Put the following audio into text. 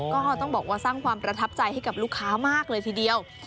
ก็ต้องบอกว่าสร้างความประทับใจให้กับลูกค้ามากเลยทีเดียว